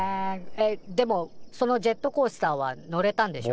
えでもそのジェットコースターは乗れたんでしょ？